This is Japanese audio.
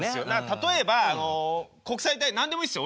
例えばあの国際何でもいいですよ